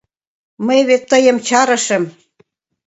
Мый вет тыйым чарышым.